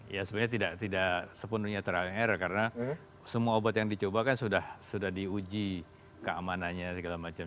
ya sebenarnya tidak sepenuhnya trial error karena semua obat yang dicoba kan sudah diuji keamanannya segala macam